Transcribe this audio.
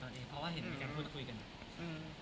เพราะว่าเห็นมีการพูดคุยกันอืม